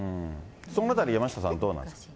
そのあたり、山下さんどうなんですか。